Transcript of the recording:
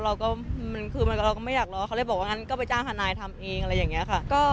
เราก็ไม่อยากรอเขาเลยบอกอย่างนั้นก็ไปจ้างหนายทำเองตหนึ่ง